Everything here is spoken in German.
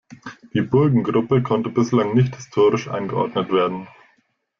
Die Burgengruppe konnte bislang nicht historisch eingeordnet werden.